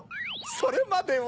それまでは！